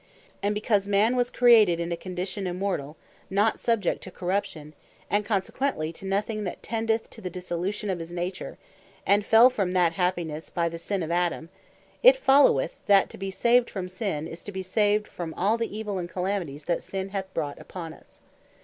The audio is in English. And because man was created in a condition Immortall, not subject to corruption, and consequently to nothing that tendeth to the dissolution of his nature; and fell from that happinesse by the sin of Adam; it followeth, that to be Saved From Sin, is to be saved from all the Evill, and Calamities that Sinne hath brought upon us.